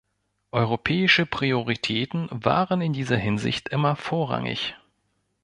Europäische Prioritäten waren in dieser Hinsicht immer vorrangig.